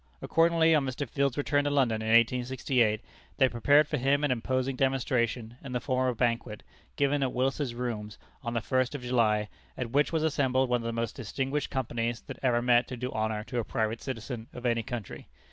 Accordingly, on Mr. Field's return to London, in 1868, they prepared for him an imposing demonstration in the form of a banquet, given at Willis's Rooms, on the first of July, at which was assembled one of the most distinguished companies that ever met to do honor to a private citizen of any country.